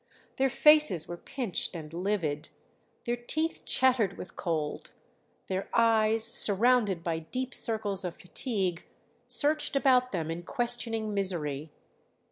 Their faces were pinched and livid; their teeth chattered with cold; their eyes, surrounded by deep circles of fatigue, searched about them in questioning misery.